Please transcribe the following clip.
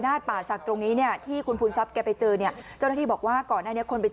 ถ้ามันระเบิดขึ้นมันก็อันตรายตอนนี้มันยังไม่ระเบิด